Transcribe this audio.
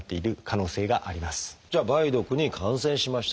じゃあ梅毒に感染しましたと。